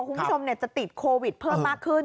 คุณผู้ชมจะติดโควิดเพิ่มมากขึ้น